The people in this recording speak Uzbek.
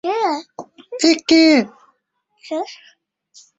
Turkiyada lira qiymati tushib ketgani uchun Apple mahsulotlari sotuvi to‘xtatildi